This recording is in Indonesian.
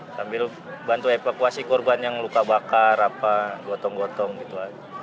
sambil bantu evakuasi korban yang luka bakar apa gotong gotong gitu aja